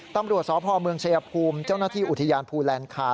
ตำรวจสพเมืองชายภูมิเจ้าหน้าที่อุทยานภูแลนคา